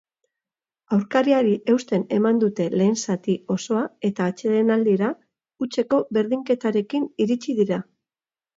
Aurkariari eusten eman dute lehen zati osoa eta atsedenaldira hutseko berdinketarekin iritsi dira.